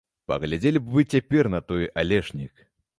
Паглядзелі б вы цяпер на той алешнік!